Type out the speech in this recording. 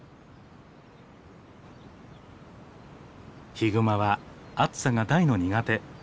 ヒグマは暑さが大の苦手。